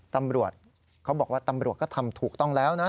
ตำรวจเขาบอกว่าตำรวจก็ทำถูกต้องแล้วนะ